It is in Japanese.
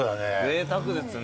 ぜいたくですね。